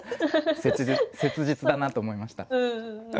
切実だなと思いました。